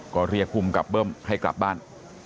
ก็เรียกภูมิกับเบิ้มให้กลับบ้าน